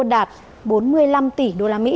đạt bốn mươi năm tỷ usd